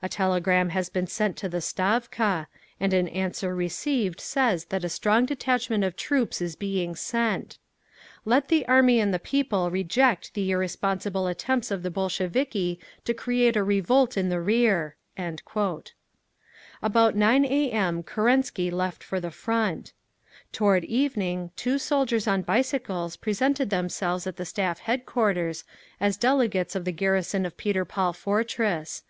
A telegram has been sent to the Stavka; and an answer received says that a strong detachment of troops is being sent…. "Let the Army and the People reject the irresponsible attempts of the Bolsheviki to create a revolt in the rear…." About 9 A. M. Kerensky left for the Front…. Toward evening two soldiers on bicycles presented themselves at the Staff Headquarters, as delegates of the garrison of Peter Paul Fortress.